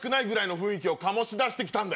雰囲気を醸し出して来たんだ。